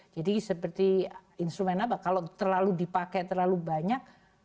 jadi seperti instrumen apa kalau terlalu dipakai terlalu banyak